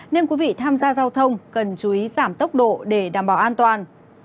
nên quý vị tham gia giao thông cần chú ý giảm tốc độ để đảm bảo an toàn